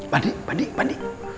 bandi bandi bandi